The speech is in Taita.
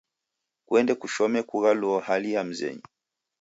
Kuende kushome kughaluo hali ya mzenyu.